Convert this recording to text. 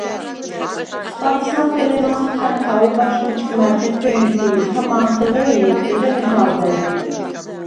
ცხვადს ლახე ლემასგვხა̈ნქა ობა̈შ მჷჭკა̈მ ხეფვე̄ნთი ი ქა მა̄მ ხეღრენი, ეჯა მეჰა̄ვდა̈რდ ლი.